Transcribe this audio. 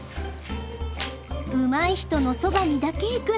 うまい人のそばにだけ行くんだって。